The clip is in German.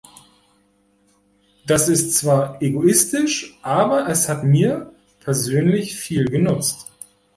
Das ist zwar egoistisch, aber es hat mir persönlich viel genutzt.